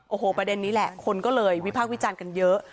โอ้โหประเด็นนี้แหละคนก็เลยวิพากษ์วิจารณ์กันเยอะ